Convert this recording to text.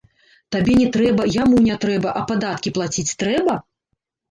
Табе не трэба, яму не трэба, а падаткі плаціць трэба?